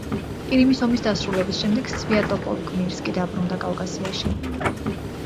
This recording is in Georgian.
ყირიმის ომის დასრულების შემდეგ სვიატოპოლკ-მირსკი დაბრუნდა კავკასიაში.